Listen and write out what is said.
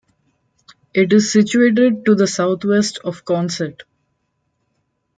It is situated to the south west of Consett.